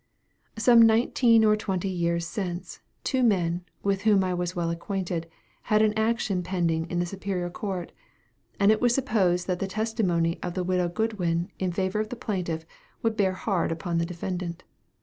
Some nineteen or twenty years since, two men, with whom I was well acquainted, had an action pending in the Superior Court, and it was supposed that the testimony of the widow Goodwin in favor of the plaintiff, would bear hard upon the defendant.